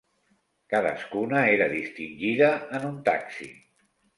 Cadascuna era distingida en un taxi.